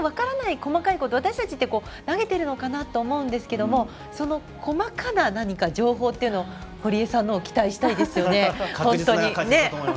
細かいことって私たち投げているのかなって思うんですけれども細かな情報っていうのを堀江さんのを期待したいですよね。